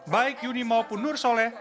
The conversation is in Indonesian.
baik yuni maupun nur soleh